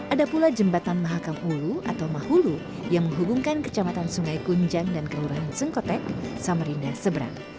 ada pula jembatan mahakam hulu atau mahulu yang menghubungkan kecamatan sungai kunjang dan kelurahan sengkotek samarinda seberang